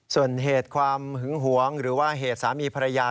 ส่วนเหตุความหึงหวงหรือว่าเหตุสามีภรรยา